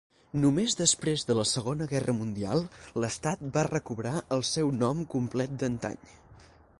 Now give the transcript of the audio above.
Només després de la segona guerra mundial, l'estat va recobrar el seu nom complet d'antany.